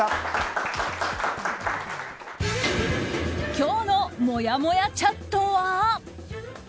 今日のもやもやチャットは。